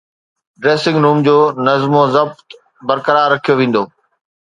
dressing room جو نظم و ضبط برقرار رکيو ويندو